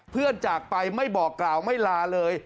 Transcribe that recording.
จากไปไม่บอกกล่าวไม่ลาเลย